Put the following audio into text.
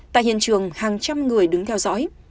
tại hiện trường hàng trăm người đứng theo dõi